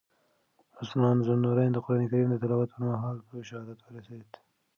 عثمان ذوالنورین د قرآن کریم د تلاوت پر مهال په شهادت ورسېد.